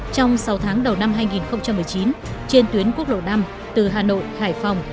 trong sáu tháng đầu năm hai nghìn một mươi chín trên tuyến quốc lộ năm từ hà nội hải phòng